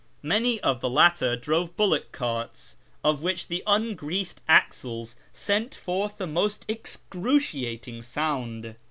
Many of the latter drove bullock carts, of which the ungreased axles sent forth the most excruciating sound.